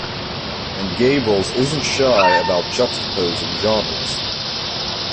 And Gabrels isn't shy about juxtaposing genres.